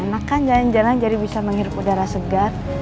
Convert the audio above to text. anak kan jalan jalan jadi bisa menghirup udara segar